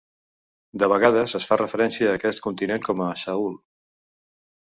De vegades es fa referència a aquest continent com a Sahul.